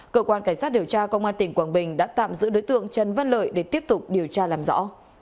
cơ quan cảnh sát điều tra công an tỉnh quảng bình đã tạm giữ đối tượng trần văn lợi để tiếp tục điều tra làm rõ